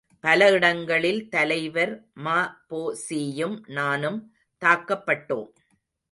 பல இடங்களில் தலைவர் ம.பொ.சியும் நானும் தாக்கப்பட்டோம்.